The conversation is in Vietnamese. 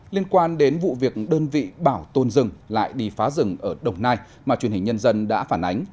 liên quan đến vụ việc đơn vị bảo tồn rừng lại đi phá rừng ở đồng nai mà truyền hình nhân dân đã phản ánh